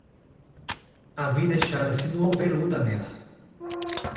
A vida é chata se não houver luta nela.